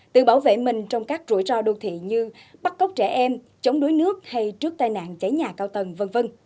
tự bảo vệ mình trong các rủi ro đô thị như bắt cóc trẻ em chống đối nước hay trước tai nạn cháy nhà cao tầng v v